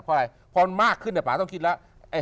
เพราะอะไรพอมันมากขึ้นป่าต้องคิดแล้ว